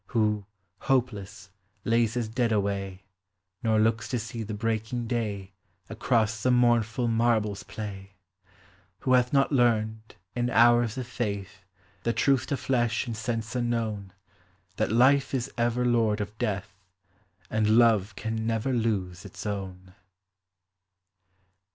Who, hopeless, lays his dead away, Nor looks to see the breaking day Across the mournful marbles play! Who hath not learned, in hours of faith, The truth to flesh and sense unknown, That Life is ever lord of Death, And Love can never lose its own!